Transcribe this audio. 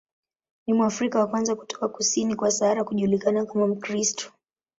Ni Mwafrika wa kwanza kutoka kusini kwa Sahara kujulikana kama Mkristo.